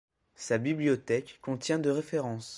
Sa bibliothèque contient de références.